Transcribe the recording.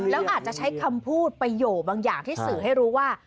แล้วอาจจะใช้คำพูดประโยคบางอย่างที่สื่อให้รู้ว่า